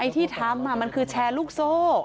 ที่ทำมันคือแชร์ลูกโซ่